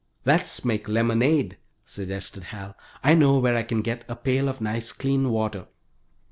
"Let's make lemonade," suggested Hal. "I know where I can get a pail of nice clean water."